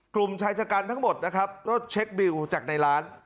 กลุ่มชายชะกันทั้งหมดนะครับก็เช็คบิวจากในร้าน